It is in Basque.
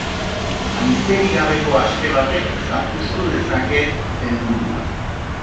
Haizerik gabeko aste batek zapuztu dezake helburua.